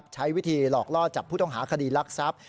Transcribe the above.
ใช้วิธีหลอกลอดจากผู้ต้องหาคดีลักษัพธ์